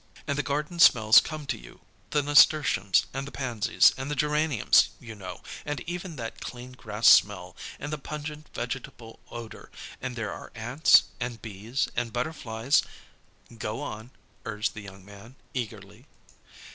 And the garden smells come to you the nasturtiums, and the pansies, and the geraniums, you know, and even that clean grass smell, and the pungent vegetable odor, and there are ants, and bees, and butterflies " "Go on," urged the young man, eagerly.